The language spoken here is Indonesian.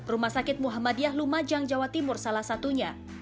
rumah sakit muhammadiyah lumajang jawa timur salah satunya